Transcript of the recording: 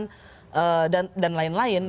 penyadapan dan lain lain